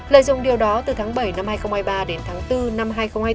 lợi dụng điều đó từ tháng bảy năm hai nghìn hai mươi ba đến tháng bốn năm hai nghìn hai mươi bốn